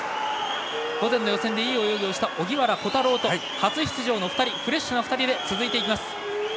午前の予選でいい泳ぎをした荻原虎太郎と初出場の２人フレッシュな２人で続いていきます。